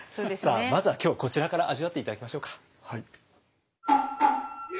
まずは今日こちらから味わって頂きましょうか。